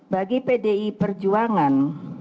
bagi pdi perjuangan